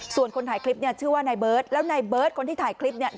ส่วนคนถ่ายคลิปเนี่ยชื่อว่านายเบิร์ตแล้วนายเบิร์ตคนที่ถ่ายคลิปเนี่ย